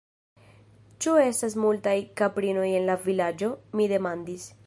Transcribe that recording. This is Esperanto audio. Ĉu estas multaj kaprinoj en la Vilaĝo? mi demandis.